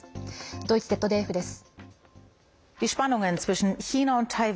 ドイツＺＤＦです。